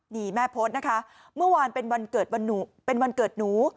นี่แม่โพสต์นะคะเมื่อวานเป็นวันเกิดหนู